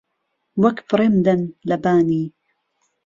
وەک فڕێم دەن لە بانی